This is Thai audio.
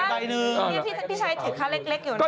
พี่ชายถือข้าวเล็กอยู่นั่นไง